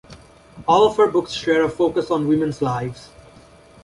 All of her books share a focus on women's lives.